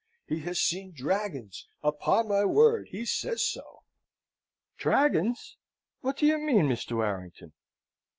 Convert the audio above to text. He has seen dragons upon my word, he says so." "Dragons! What do you mean, Mr. Warrington?"